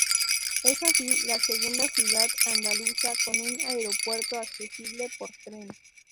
Es así la segunda ciudad andaluza con un aeropuerto accesible por tren.